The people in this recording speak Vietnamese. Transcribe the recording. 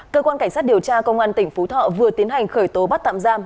cơ quan cảnh sát điều tra công an tỉnh phú thọ vừa tiến hành khởi tố bắt tạm giam